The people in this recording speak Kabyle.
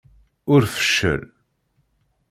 Ur feccel!